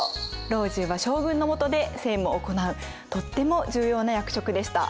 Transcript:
老中は将軍のもとで政務を行うとっても重要な役職でした。